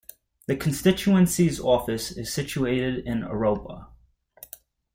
The constituency office is situated in Aroab.